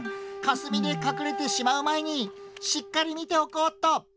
かすみでかくれてしまうまえにしっかりみておこうっと。